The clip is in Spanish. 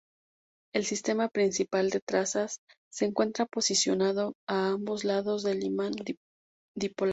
El sistema principal de trazas se encuentra posicionado a ambos lados del imán dipolar.